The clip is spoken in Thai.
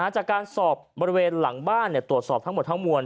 จากการสอบบริเวณหลังบ้านตรวจสอบทั้งหมดทั้งมวล